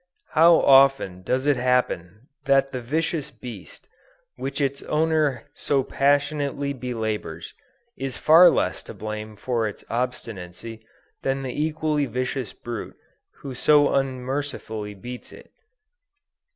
How often does it happen that the vicious beast, which its owner so passionately belabors, is far less to blame for its obstinacy, than the equally vicious brute who so unmercifully beats it!